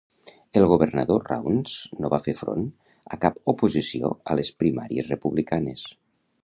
El governador Rounds no va fer front a cap oposició a les primàries republicanes.